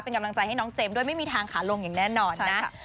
เป็นกำลังใจให้น้องเจมส์ด้วยไม่มีทางขาลงอย่างแน่นอนนะ